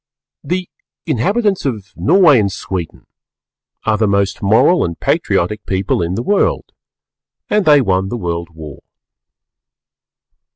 The inhabitants of Norway and Sweden are the most Moral and Patriotic People in the World, and they won the World War.